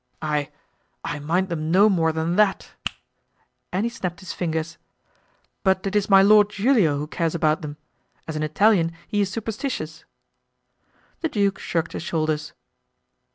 "I— I mind them no more than that——" and he snapped his fingers; "but it is my Lord Giulio who cares about them; as an Italian he is superstitious." The duke shrugged his shoulders.